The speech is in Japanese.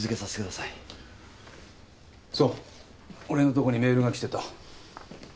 俺のとこにメールが来てた。